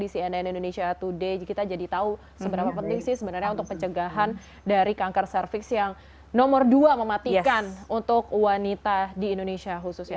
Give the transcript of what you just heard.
di cnn indonesia today kita jadi tahu seberapa penting sih sebenarnya untuk pencegahan dari kanker cervix yang nomor dua mematikan untuk wanita di indonesia khususnya